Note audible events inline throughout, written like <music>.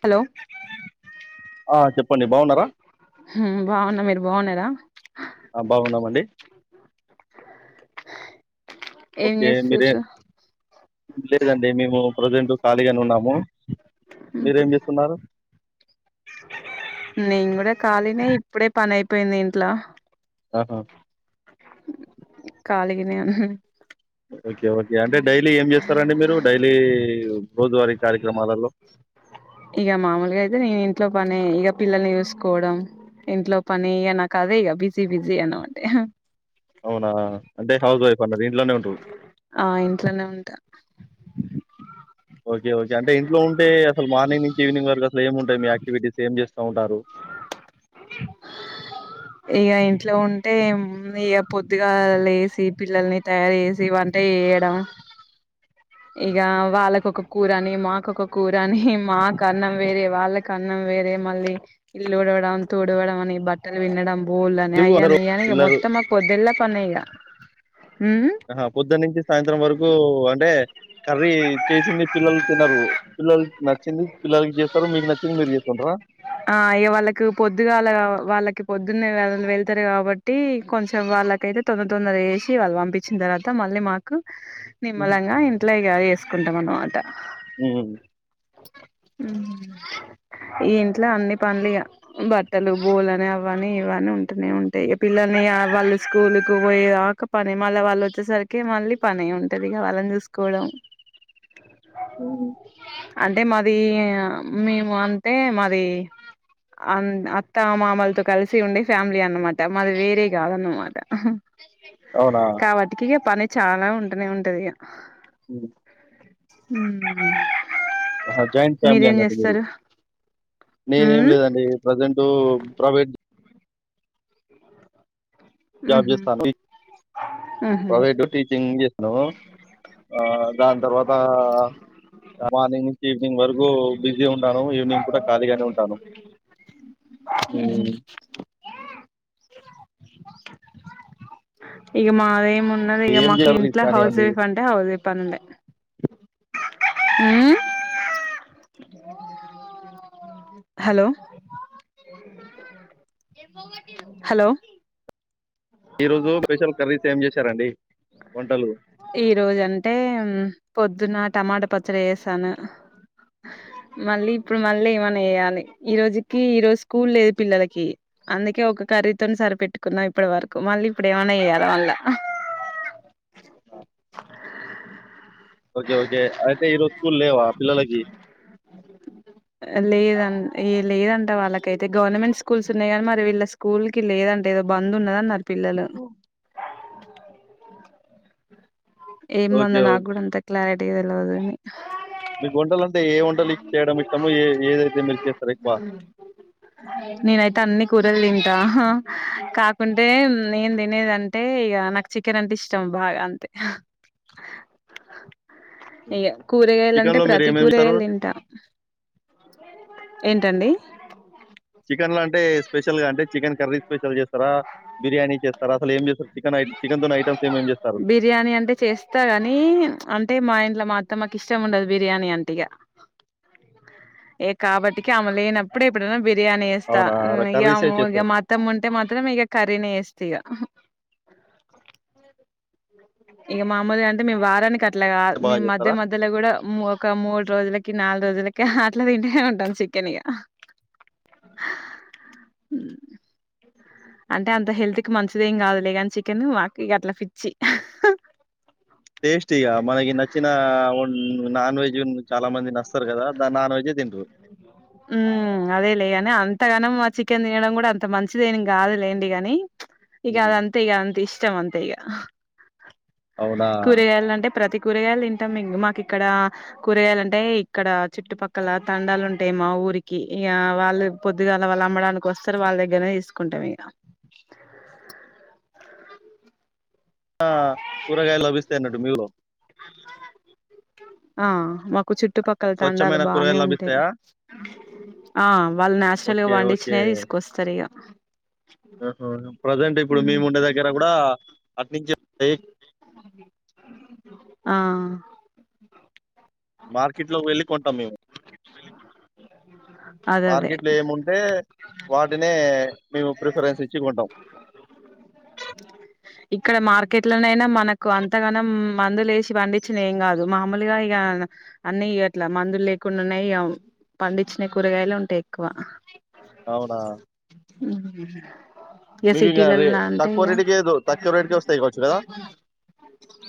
Hello ఆ, చెప్పండి బాగున్నారా ఉమ్ బాగున్న మీరు బాగున్నారా ఆ బాగున్నామండి ఏం ఓకే మీరే చేస్తుర్రూ లేదండి మేము ప్రజెంట్ ఖాళీగానే ఉన్నాము మీరేం చేస్తున్నారు నేను కూడా ఖాళినే ఇప్పుడే పని అయిపోయింది ఇంట్లో ఆహ కలిగనేవున్న ఓకే ఓకే అంటే డైలీ ఏం చేస్తారండి మీరు డైలీ రోజువారీ క ఇగ మామూలుగా అయితే నను ఇంట్లో పని ఇగ పిల్లల్ని చూసుకోవడం ఇంట్లో పని ఇక నాకు అదే ఇక బిజీ బిజీ అన అంటే అవునా అంటే హౌస్ వైఫ్ అన్నారు ఇంట్లోనే ఉంటారు ఆ ఇంట్లనే ఉంటా ఓకే ఓకే అంటే ఇంట్లో ఉంటే అసలు మార్నింగ్ నుంచి ఈవినింగ్ వరకు అసలు ఏము ఉంటాయి మీ యాక్టివిటీస్ ఏం చేస్ టౌతరు ఇగ ఇంట్లో ఉంటే ఇక పొద్దుగాల లేసి పిల్లల్ని తయారు చేసి వంట చేయడం ఇగా వాళ్ళకోక కూరని మాకొక కూర అని మాకు అన్నం వేరే వాళ్ళకి అన్నం వేరే మళ్ళీ ఇల్లుడువ డం తుడవడం అని బట్టలు పిండడం బోల్లనే ఎందుకు అందరూ అయ్యాని అయ్యాను మొత్తం మా పోద్దులా పనియ్యా ఆహ పొద్దున్న నుంచి సాయంత్రం వరకు అ అంటే కర్రీ చేసింది పిల్లలు తినరు పిల్లలు నచ్చింది పిల్లలకి చేస్తారు మీకు నచ్చింది మిర్చెతుర్ర ఆ అయ వాళ్ళకి పొద్దుగా అల వాళ్ళకి పొద్దున్న వెళ్తారు కాబట్టి కొంచెం వ వాళ్ళకయితే తొందర తొందర వేసి వాళ్ళు పంపించిన తర్వాత మళ్ళీ మాకు ఉమ్, నిమ్మలంగా ఇంట్ల ఇగ చేసుకుంటాం అన్నమాట ఉమ్ ఉమ్ ఈ ఇంట్ల అన్ని పనులు బట్టలు బూలని అవని ఇవని ఉంటూనే ఉంటాయిగ పిల్లలు ఇగ వాళ్ళు స్కూల్కు పోయక పని మళ్ళీ వాళ్ళు వచ్చేసరికి మళ్ళీ పని ఉంటదిగా వాలని చూస్ కోడం ఉమ్మ్ అంటే మాది మేము అంటే మాది అ అత్త అమ్మామలతో కలిసి ఉండే ఫ్యామిలీ అన్నమాట మాది వేరే కాదన్నన్నమాట అవునా కాబట్టికి ఇక పని చాలా ఉంటనే ఉంటది ఇక ఉ ఉమ్మ్ అజాయింట్ ఫ్యామిలీ అన్నట్టు గురు నేనేం ఉమ్ లేదండి ప్రజెంట్ ప్రైవేట్ జాబ్ ఉహు చేస్తాను ఉహు ప్రవేట్ టీచింగ్ చేస్తాము ఆ దాని తర్వాత మార్నింగ్ నుంచి ఈవినింగ్ వరకు బిజీ ఉంటాను ఈవినింగ్ కూడా ఖాళీగానే ఉంటాను ఉహు హ్మ్. ఇగా మాదేమి ఉన్నది ఇక ఏం మాకు చేయాలి ఇంట్లో హౌస్ కానివ్వండి. వైఫ్ అంటే హౌస్ వైఫ్ అండి ఉమ్మ్ హలో హలో ఈ రోజు స్పెషల్ కర్రీస్ ఏం చేశారండి వంటలు? ఈ రోజు అంటే పొద్దున్నటి టమాటా పచ్చడి చేశాను <inaudible> మళ్లీ ఇప్పుడు మళ్లీ ఏమనా చెయ్యాలి ఈ రోజుకి ఈ రోజు స్కూల్ లేదు పిల్లలకి అందుకే ఒక కర్రీతోని సరిపెట్టుకున్నాం ఇప్పటి వరకు మళ్లీ ఇప్పుడు ఏమనా చెయ్యాలా మళ్ళ ఆ ఓకే ఓకే అయితే ఈరోజు స్కూల్ లేవా పిల్లలకి ఏ లేదంట వాళ్ళకైతే గవర్నమెంట్ స్కూల్స్ ఉన్నాయి కాగానీ మరి వీళ్ళ స్కూల్ కి లేదంటే ఏదో బంద్ ఉన్న ట్టు పిల్లలు ఉమ్. ఏం ఓకే. బంద్ ఓకే. నాకు కూడా అంతా క్లారిటీ తెలియదు నాకు మీకు వంటలు అంటే ఏ వంటలు చేయడం ఇష్టము ఏ ఏదైతే మీరు చేస్తార ఎక్కువ నేనైతే అన్నీ కూరలు తింటా హా కాకుంటే నేను తినేదంటే ఇక నాకు చికెన్ అంటే ఇష్టం బాగా అంతే <inaudible> ఇగ కూరగాయలు అంటే చికెన్‌లో మీరు ప్రతి ఏమేమి చేస్తారు? కూరగాయలు తింటా ఏంటండి చికెన్ లో అంటే స్పెషల్ గా అంటే చికెన్ కర్రీ స్పెషల్ చేస్తారా బిర్యానీ చేస్తారా అసలు ఏం చేస్తారు చికెన్ ఐ చికెన్ తోని ఐటమ్స్ ఏమేమి చేస్తారు? బిర్యానీ అంటే చేస్తా గానీ అంటే మా ఇంటి మా అత్తమ్మకి ఇష్టం ఉండదు బిర్యానీ అంటఇగ ఏ కాబట్టిక ఆమె లేనప్పుడే ఎప్పుడైనా బిర్యానీ చేస్తా అవునా? కర్రీసే ఇగా చేస్తారు. మా అత్తమ్మ ఉంటే మాత్రం ఇగ కర్రీని చేస్తా ఇగ ఇక మామూలుగా అంటే మేము వారానికి అట్లా కావాల మీ బాగా మధ్య చేస్తారా? మధ్యలో కూడా ఒక మూడు రోజులకి నాలుగు రోజులకి అట్లా తింటేనే ఉంటాం చికెన్ఇగ అంటే అంత హెల్త్ కి మంచిది ఏం కాదులే కాని చికెన్ మాకు ఇక అట్లా పిచ్చి టేస్టీగా మనకి నచ్చిన నాన్ వెజ్ చాలా మంది నస్తారు కదా దా నాన్ వెజ్ తినూరు ఉమ్మ్ అదే లేగాని అంతగానం మా చికెన్ తినడం కూడా అంత మంచిదిని కాదు లేండి కాని ఇగ హ్మ్. అదంతే ఇగ, అంత ఇష్టం అంతే ఇగ. అవునా? కూరగాయలంటే ప్రతి కూరగాయలు తింటాం ఇం మాకు ఇక్కడ కూరగాయలు అంటే ఇక్కడ చుట్టుపక్కల తండాలు ఉంట టై మా ఊరికి ఇగ వాళ్ళు పొద్దుగాల వాళ్ళు అమ్మడానికి వస్తరు, వాళ్ళ దగ్గరనే తీసుకుంటం ఇగ. ఆ కూరగాయలు లభిస్తాయన్నట్టు మీలో ఆ మాకు చుట్ చుట్టుపక్కల తండాలు స్వచ్ఛమైన బానే కూరగాయలు ఉంటయి. లభిస్తాయా? ఆ వాళ్ళు నాచురల్ గా ఓకే. పండించినయే తీసుకొస్తరు ఇగ. అహా నువ్ ప్రజెంట్ ఇప్పుడు మీ ముండె దగ్గర గుడా అటు నుంచే వస్తయి ఆ మార్కెట్ లో వెళ్ళి కొంటాం మేము. అదదే. మార్కెట్ లో ఏముంటే వాటినే మేము ప్రిఫరెన్స్ ఇచ్చి కొంటం. ఇక్కడ మార్కెట్ లోనైనా మనకు అంతగనం మందులు లేేసి పండించినయ్ ఏం కాదు, మామూలుగా ఇగ న అన్నీ ఇగ అట్ల మందులు లేకుండా ఉన్నయి. పండించినయ్ కూరగాయలే ఉంటయి ఎక్కువ. అవునా! ఇగ మీకింకా రే సిటలల్లో నాంటె తక్కువ ఇగ రేటుకే దొ తక్కువ రేటుకే వస్తాయి కావచ్చు కదా?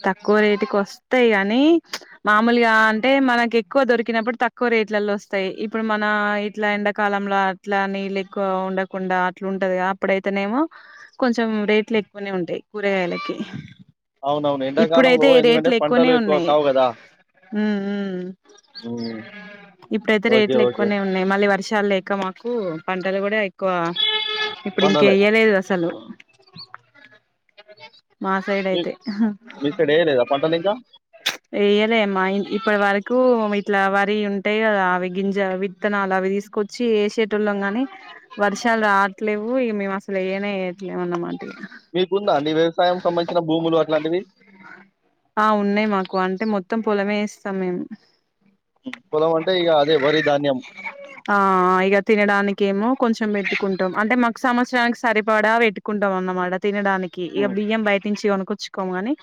తక్కువ రేట్ ఒస్తయి గని మామూలుగా అంటే మనకి ఎక్కువ దొరికినప్పుడు, తక్కువ రేట్లలో వస్తయి. ఇప్పుడు మన ఇట్ల ఎండకాలంల అట్లా నీళ్ళు ఎక్కువ ఉండకుండా అట్ల ఉంటదిగా, అప్పుడయితేనేమో కొంచెం రేట్లు ఎక్ కొన్నే ఉంటయి కూరగాయలకె అవునవును. ఇప్పుడైతే ఎండాకాలంలో ఎందుకంటే రేట్లు ఎక్కువనే పంటలు ఎక్కువ ఉన్నయి. కావు గదా! హ్మ్ ఉమ్ హ్మ్. ఇప్పుడైతే ఓకే. రేట్లు ఓకే. ఎక్కువనే ఉన్నయి, మళ్ళీ వర్షాలు లేక మాక్ క్కు పంటలు గుడ ఎక్కువ, ఇప్పుడు పంటలే. ఇంకేయ్యలేదు అసలు. మా సైడ్ మీ అయితే మీ సైడెయలేదా పంటలింకా? ఎయ్యలే మా ఇం ఇప్పటి వరకు ఇట్లా వరి ఉంటయి కదా అవి గింజ విత్తనాలు అవి తీసుకొచ్చి ఏసేటోళ్లం గాని వర్ వర్షాలు రావట్లేవ్వు ఇగ మేము అసలు ఏయనే ఏయట్లేము అన్నమాట ఇగ. మీకుందా అండి వ్యవసాయం సంబంధించిన భూములు అట్లాంటివి. త్తం పోలమే ఏస్తం మేము. పొలం అంటే ఇగ అదే వరి, ధాన్యం. ఆ ఆ ఇగ తినడానికేమో కొంచెం బెట్టి కుంటం అంటే మాకు సంవత్సరానికి సరిపడా పెట్టుకుంటం అన్నమాట తినడానికి, ఇగ హ్మ్. బియ్యం బయటి నుంచి కొను కొచ్చుకోము గనీ,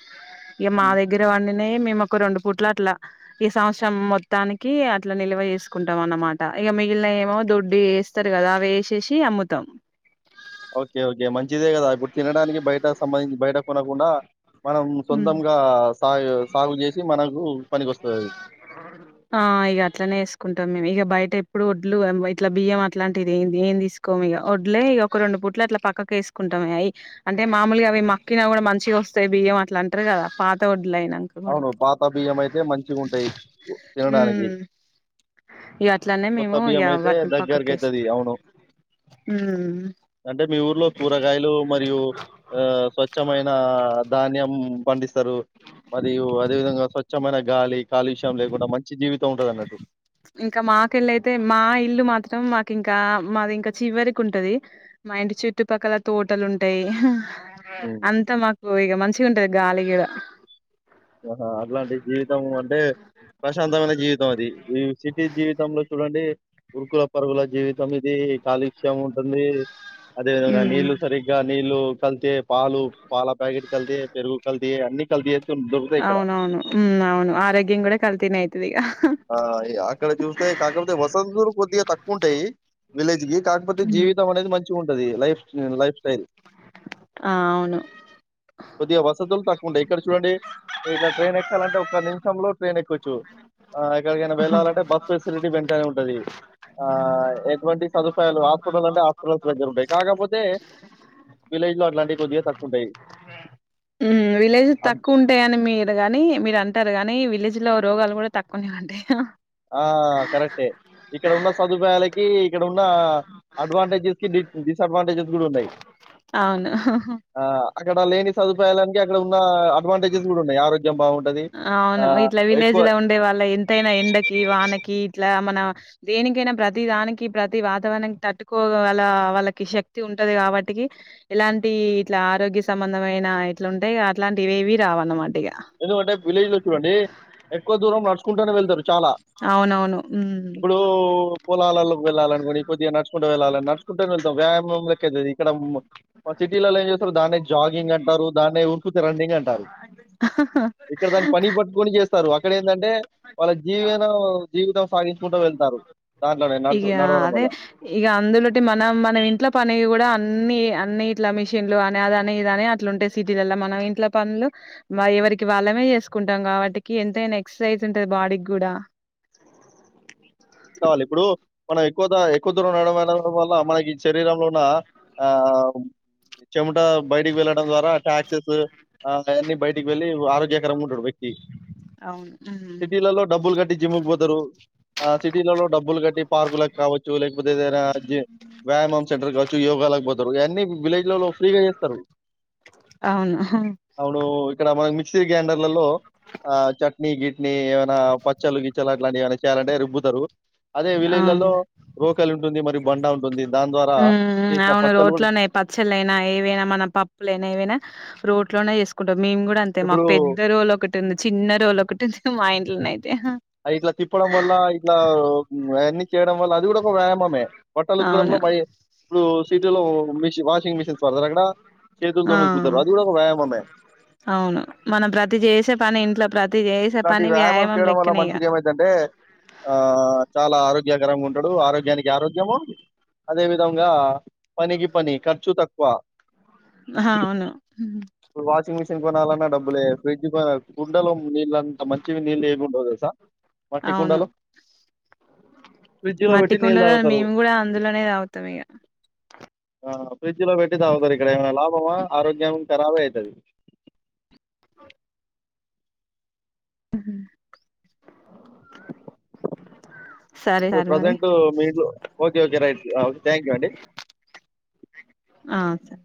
ఇగ మా హ్మ్. దగ్గర వాడిని నే మేమోక రెండు పూట్ల అట్లా ఈ సంవత్సరం మొత్తానికి అట్ల నిల్వ చేసుకుంటం అన్నమాట. ఇగ మిగిలినయేమో దొడ్డు ఇగ ఏస్తరు గదా, అవి ఏసేసి అమ్ముతం. ఓకే ఓకే మంచిదే కదా, ఇప్పుడు తినడానికి బయట సంబంధించి బయట కొనకుండా మనం సొంతంగా సాగు సాగు చేసి మనకు పనికకొస్తది అది. ఆ ఇగ అట్లనేేసుకుంటం మేము ఇగ. టె ఎప్పుడు వడ్లు ఇట్లా బియ్యం అట్లాంటిది ఎం ఏం తీసుకోము ఇగా, వడ్లే ఇగ ఒక రెండు పూట్ల అట్ల పక్కకు ఏస్ కుంటా అయి అంటే మామూలుగా అవి మక్కిన గుడా మంచిగా వస్తయి బియ్యం అట్ల అంటరు కదా, పాత వడ్ అవును పాత బియ్యం అయితే మంచిగుంటయి తినడానికి. ఉమ్ ఇక అట్లానే కొత్త మేము ఇక బియ్యం అయితే దగ్గరకి అయితది అవును. హామ్ అంటే మీ ఊర్లో కూరగాయలు మరియు ఆ స్వచ్ఛమైన ధాన్యం హ్మ్ పండిస్తారు మరియు అదే విధంగా స్వచ్ఛమైన గాలి కాలుష్యం లేకుండా మంచి జీవితం ఉంటది అన్నట్టు ఇంకా మాకెళ్ళయితే మా ఇల్లు మాత్రం మా ఇంకా మాది ఇంకా చివరికి ఉంటది మా ఇంటి చుట్టుపక్కల తోటలు ఉంటాయి క్ ఉమ్, అంతా మాకు ఇగా మంచిగా ఉంటది గాలి గీడ ఆహా అట్లాంటి జీవితము అంటే ప్రశాంతమైన జీవితం అది ఈ సిటీ జీవితంలో చూడండి ఉరుకుల పరుగుల జీవితం ఇది ఈ కాలుష్యం ఉంటుంది అదే విధంగా ఉమ్ నీళ్లు సరిగ్గా నీళ్లు కల్తే పాలు పాల ప్యాకెట్ కల్తే పెరుగు కల్ ఈ అన్ని కల్తీ చేతు అవునవును ఉ అవును ఆరోగ్యం కూడా కల్తినే అయితుదిగ ఆ అక్కడ చూస్తే కాకపోతే వసంతు ర్ కొద్దిగా తక్కువ ఉంటాయి విలేజ్ కి కాకపోతే హ్మ్ జీవితం అనేది మంచి ఉంటది లైఫ్ లైఫ్ స్టైల్ ఆ అవును కొద్దిగా వసతులు తక్కువ ఉంటాయి ఇక్కడ చూడండి ఇక్కడ ట్రైన్ ఎక్కాలంటే ఒక నిమిషంలో ట్రైన్ ఎక్కవచ్చు ఆ ఎక్కడికైనా వెళ్ళాలంటే బస్ ఫెసిలిటీ వెంటనే ఉంటది ఆ ఎటువంటి సదు హాస్పిటల్ అంటే హాస్పిటల్స్ దగ్గర ఉంటాయి కాకపోతే విలేజ్ లో అట్లాంటి కొద్దిగా తక్కువ ఉంటాయి విలేజ్ తక్కువ ఉంటాయని మీరు గాని మీరు అంటా గానీ విలేజ్ లో రోగాలు కూడా తక్కువనే ఉంటాయి ఆ కరెక్టే ఇక్కడ ఉన్న సదుపాయాలకి ఇక్కడ ఉన్న అడ్వాంటేజెస్ కి డిస్ డిస్ డిసడ్వాంటేజెస్ కూడా ఉన్నాయి అవును ఆ అక్కడ లేని సదుపాయాలునికి ఇక్కడ ఉన్న అడ్వాంటేజెస్ కూడా ఉన్నాయి ఆ అవును ఇట్లా విలేజ్ లో ఉండే వాళ్ళ ఎంతైనా ఎండకి వాన కి ఇట్లా మన దేనికైనా ప్రతి దానికి ప్రతి వాతావరణానికి తట్టుకోగల వాళ్లకి శక్ శక్తి ఉంటది కాబట్టికి ఇలాంటి ఇట్లా ఆరోగ్య సంబంధమైన ఇట్లుంటాయి అట్లాంటివేవి రావన్న మాటిగా ఎందుకంటే విలేజ్ లో చూడండి ఎక్కువ దూరం నడుచుకుంటానే వెళ్తారు చాలా అవునవును. హ్మ్. ఇప్పుడు పొలాలల్లోకి వెళ్లాలనుకోండి కొద్దిగా నడు కుంటా వెళ్ళాలని నడుచుకుంట వెళ్తాం వ్యానులకి వెళ్ళేది ఇక్కడ మా సిటీ లల్లా ఏం చేస్తారు దాన్ని జాగింగ్ అంటారు దాన్నే ఉత్తుత్త రన్నింగ్ అంటారు అహా ఇక్కడ దానికి పని పట్టుకొని చేస్త స్తారు అక్కడ ఏంటంటే వాళ్ళ జీవనం జీవితం సాగించుకుంటూ వెళ్తారు దాంట్లోనే నడుచు ఇగా నడవడం వల్ల. అదే ఇగా అందులోటి మనం మనం ఇంట్లో పని కూడా అన్ని అన్ని ఇట్లా మిషన్లు అదా ఇదాని అట్లు ఉంటాయి సిటీ లల్లా మనం ఇంట్ల పనులు ఎవరికి వాళ్ళమే చేసుకుంటాం కాబట్టికి ఎంతైనా ఎక్సర్సైజ్ ఉంటది బాడీకి కూడా <inaudible> కావాలి ఇప్పుడు మనం ఎక్కువ ఎక్కువ దూరం నడవడం వల్ల మనకి శరీరంలో ఉన్న ఆ అవు చెముట బయటికి వెళ్ళడం ద్వారా టాక్సెస్ ఆ అవన్నీ బయటికి వెళ్ళి ఆరోగ్యకరంగా ఉంటాడు వ్యక్తి అవును. హ్మ్. సిటీలలో డబ్బులు కట్టి జిమ్కి పోతారు ఆ డబ్బులు కట్టి పార్కులకు కావచ్చు లేకపోతే ఏదైనా వ్యాయామం సెంటర్కచ్చి యోగా లక్ పోతారు ఇయన్ని విలేజ్ లలో ఫ్రీగా చేస్తారు అవును. అవును ఇక్కడ మనక్ మిక్సీ గ్రైండర్ లల్లో ఆ చట్నీ గిట్నీ ఏమైనా పచ్చల్లు గిచ్చల్లు అట్లాంటివి ఏమైనా చేయాలంటే రుబ్బుతరు అదే ఆ! విలేజ్లల్లో రోకలు ఉంటుంది మరి బండా ఉంటుంది దాన్ ద్వారా చేసిన పచ్చల్లు కూడా పచ్చల్లయినా ఏవైనా మన పప్పులైనా ఏవైనా రోట్ లోనే చేస్ మేమ్ కూడా అంతే ఇప్పుడు మాక్ పెద్ద రోలొకటుంది చిన్న రోలొకటుంది మా ఇంట్లోనేతే అది ఇట్లా తిప్పడం వల్ల ఇట్లా ఓ మ్ అయన్ని చేయడం వల్ల అది కూడా ఒక వ్యాయామమే బట్టలు ఉతుకడంలో అవును. మయి ఇప్పుడు సిటీలో మిషి వాషింగ్ మిషన్స్ వాడ్తారక్కడ ఆ! చేతుల్తోని ఉతుకుతరు అది కూడా ఒక వ్యయామమే అవును మనం ప్రతి చేసే పని ఇంట్లో ప్రతి చేసే ఇట్లాంటి పని వ్యాయామం చేయడం వల్ల లెక్కనే ఏమైద్దంటే ఆ చాలా ఆరోగ్యకరంగా ఉంటడు ఆరోగ్యానికి ఆరోగ్యము అదే విధంగా పనికి పని ఖర్చు తక్కువ ఆహ అవును మెషిన్ కొనాలన్నా డబ్బులే ఫ్రిడ్జ్ కొనల్ కుండలో నీళ్ళంత మంచివి నీళ్ళెముండవ్ తెల్సా మట్టి కుండలో ఫ్రిడ్జ్ లో పెట్టి నీళ్ళు మట్టికుండలో తాగుతారు మేము కూడా అందులోనే తాగుతాం ఇగ ఆ ఫ్రిడ్జ్ లో పెట్టి తాగుతరిక్కడ ఏమైనా లాభమా ఆరోగ్యం ఖరాబ్ అయితది <unintelligible> మ్మ్ హ్మ్ <unintelligible> సరే ఇప్పుడు సార్ మరి. ప్రజెంట్ మీళ్ళు ఓకే ఓకే రైట్ ఆ థ్యాంక్ యూ అండి ఆ సర్